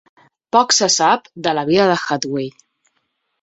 Poc se sap de la vida de Hathwaye.